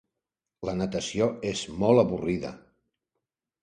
La natació és molt avorrida.